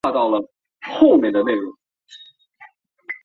电流流经改装的线路